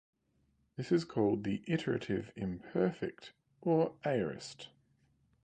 This is called the "iterative imperfect or aorist".